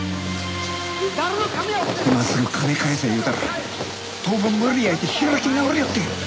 今すぐ金返せ言うたら当分無理や言うて開き直りよって。